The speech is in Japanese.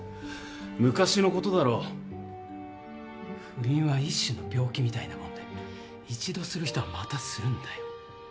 不倫は一種の病気みたいなもので一度する人はまたするんだよ。